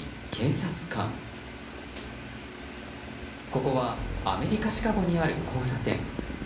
ここはアメリカ・シカゴにある交差点。